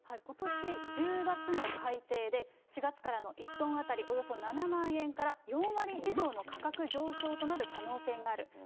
ことし１０月の改定で、４月からの１トン当たりおよそ７万円から、４割以上の価格上昇となる可能性がある。